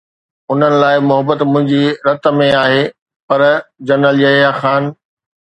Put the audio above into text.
انهن لاءِ محبت منهنجي رت ۾ آهي، پر جنرل يحيٰ خان؟